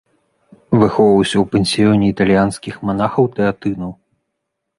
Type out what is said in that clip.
Выхоўваўся ў пансіёне італьянскіх манахаў-тэатынаў.